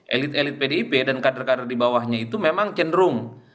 elit elit pdip dan kader kader di bawahnya itu memang cenderung